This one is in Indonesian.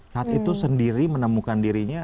saat itu sendiri menemukan dirinya